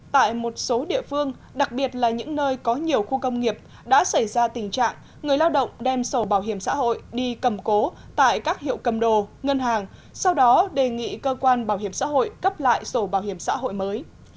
tại một số địa phương đặc biệt là những nơi có nhiều khu công nghiệp đã xảy ra tình trạng người lao động đem sổ bảo hiểm xã hội đi cầm cố tại các hiệu cầm đồ ngân hàng sau đó đề nghị cơ quan bảo hiểm xã hội cấp lại sổ bảo hiểm xã hội mới